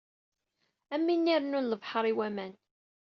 Am win irennun lebḥer i waman.